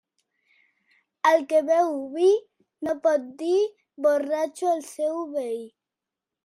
El que beu vi no pot dir borratxo al seu veí.